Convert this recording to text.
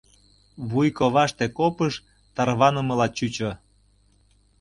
Вуй коваште копыж-ж тарванымыла чучо.